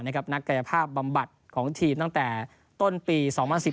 นักกายภาพบำบัดของทีมตั้งแต่ต้นปี๒๐๑๘